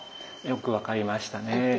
よく分かりましたね。